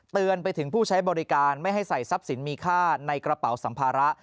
เตือนไปถึงผู้ใช้บริการไม่ให้ใส่ทรัพย์สินมีค่าในกระเป๋าสัมภาระ